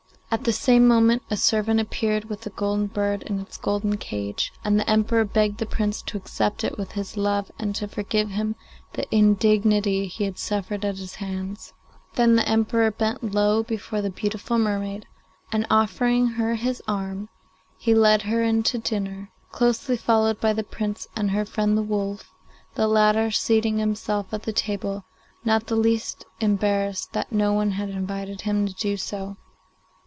At the same moment a servant appeared with the golden bird in its golden cage, and the Emperor begged the Prince to accept it with his love, and to forgive him the indignity he had suffered at his hands. Then the Emperor bent low before the beautiful mermaid, and, offering her his arm, he led her into dinner, closely followed by the Prince and her friend the wolf; the latter seating himself at table, not the least embarrassed that no one had invited him to do so.